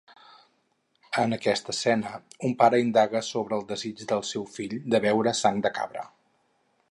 En aquesta escena, un pare indaga sobre el desig del seu fill de beure sang de cabra.